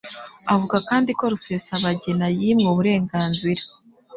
Avuga kandi ko Rusesabagina yimwe uburenganzira